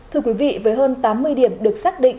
thưa quý vị với hơn tám mươi điểm được xác định